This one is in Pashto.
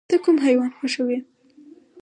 ته کوم حیوان خوښوې؟